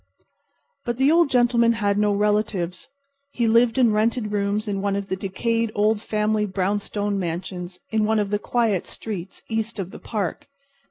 But the Old Gentleman had no relatives. He lived in rented rooms in one of the decayed old family brownstone mansions in one of the quiet streets east of the park.